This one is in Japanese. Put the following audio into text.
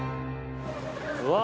うわ！